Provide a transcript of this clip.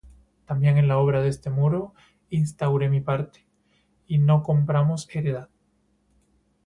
También en la obra de este muro instauré mi parte, y no compramos heredad: